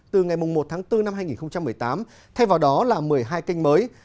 từ ngày một tháng bốn năm hai nghìn một mươi tám thay vào đó là một mươi hai kênh mới